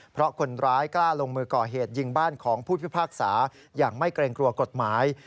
เพราะคนร้ายกล้าลงมือก่อเหตุยิงบ้านของผู้พิพากษาอย่างไม่เกรงกลัวกฎหมาย